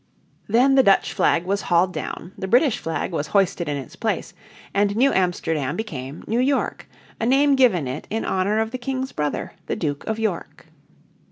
Then the Dutch flag was hauled down, the British flag was hoisted in its place, and New Amsterdam became New York, a name given it in honour of the King's brother, the Duke of York.